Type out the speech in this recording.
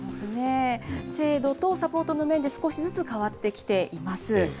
制度とサポートの面で少しずつ変わってきています。